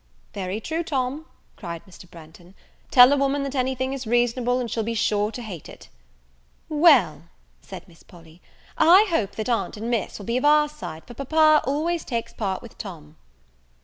"Very true, Tom," cried Mr. Branghton; "tell a woman that any thing is reasonable, and she'll be sure to hate it." "Well," said Miss Polly, "I hope that aunt and Miss will be of our side, for papa always takes part with Tom."